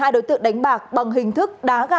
một mươi hai đối tượng đánh bạc bằng hình thức đá gắn